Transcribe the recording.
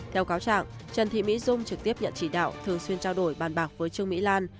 theo cáo trạng trần thị mỹ dung trực tiếp nhận chỉ đạo thường xuyên trao đổi bàn bạc với trương mỹ lan